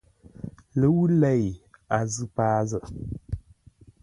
Ləwʉ̂ lei, a zʉ̂ paa zə̂.